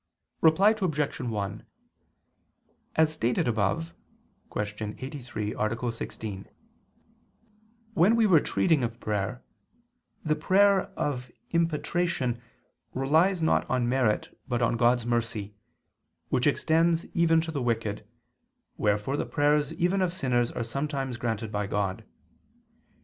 Reply Obj. 1: As stated above (Q. 83, A. 16) when we were treating of prayer, the prayer of impetration relies not on merit but on God's mercy, which extends even to the wicked, wherefore the prayers even of sinners are sometimes granted by God.